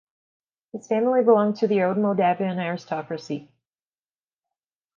His family belonged to the old Moldavian aristocracy.